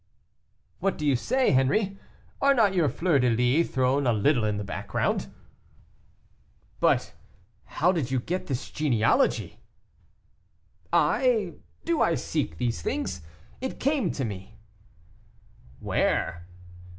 "What do you say, Henri? Are not your fleur de lys thrown a little in the background?" "But how did you get this genealogy?" "I! Do I seek these things? It came to seek me." "Where?"